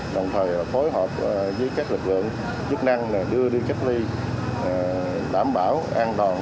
đồng thời phối hợp với các lực lượng chức năng đưa đi cách ly đảm bảo an toàn